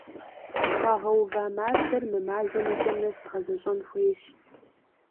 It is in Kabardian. Тхуагъэува мардэр мы мазэм и кӏэм нэс дгъэзэщӏэн хуейщ.